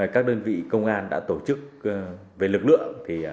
các đơn vị công an đã tổ chức về lực lượng